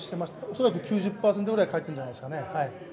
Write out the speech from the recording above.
恐らく９０％ぐらい返ってるんじゃないでしょうかね。